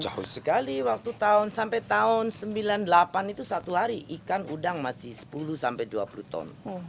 jauh sekali waktu tahun sampai tahun sembilan puluh delapan itu satu hari ikan udang masih sepuluh sampai dua puluh ton